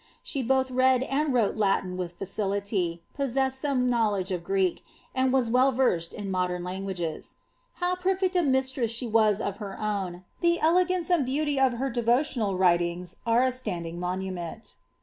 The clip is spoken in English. She both read and wrote Latin with facility, possessed some knowledge of Greek, and was well versed in modern languages. How perfect a mistress she was of her own, the elegance and beauty of her devotional writings are a stand* ing monument.